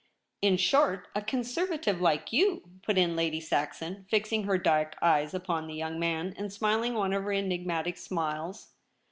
' In short, a Conservative — like you,' put in Lady Saxon, fixing her dark eyes upon the young man, and smiling one of her enigmatic smiles.